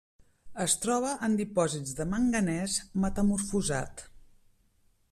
Es troba en dipòsits de manganès metamorfosat.